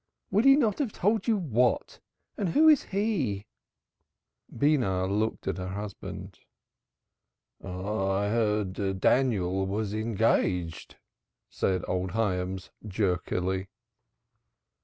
Would he not have told you what? And who's he?" Beenah looked at her husband. "I heard Daniel was engaged," said old Hyams jerkily.